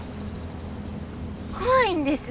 怖いんです。